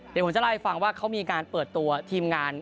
เดี๋ยวผมจะเล่าให้ฟังว่าเขามีการเปิดตัวทีมงาน